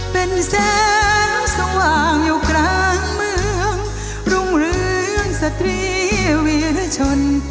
เป็นแสงสว่างอยู่กลางเมืองรุ่งเรืองสตรีวิรชน